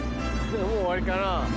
もう終わりかな？